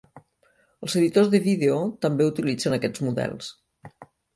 Els editors de vídeo també utilitzen aquests models.